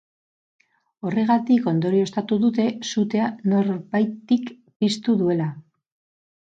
Horregatik ondorioztatu dute sutea norbaitik piztu duela.